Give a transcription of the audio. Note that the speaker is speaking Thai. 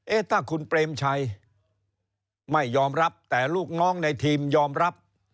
ถ้าคุณเปรมชัยไม่ยอมรับแต่ลูกน้องในทีมยอมรับ